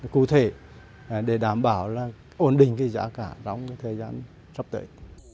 cụ thể để đảm bảo là ổn định giá cả trong thời gian sắp tới